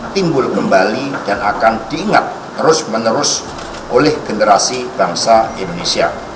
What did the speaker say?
timbul kembali dan akan diingat terus menerus oleh generasi bangsa indonesia